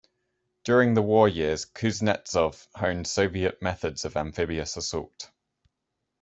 During the war years Kuznetsov honed Soviet methods of amphibious assault.